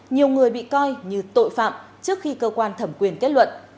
nhiều người bị coi như tội phạm trước khi cơ quan thẩm quyền kết luận